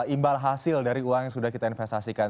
imbal hasil dari uang yang sudah kita investasikan